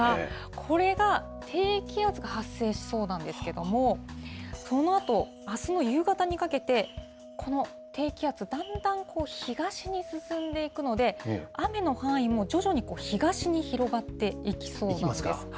これが低気圧が発生しそうなんですけども、そのあと、あすの夕方にかけて、この低気圧、だんだん東に進んでいくので、雨の範囲も徐々に東に広がっていきそうなんです。